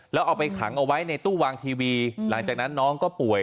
แล้วเอาไปขังเอาไว้ในตู้วางทีวีหลังจากนั้นน้องก็ป่วย